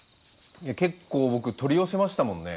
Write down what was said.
結構僕取り寄せましたもんね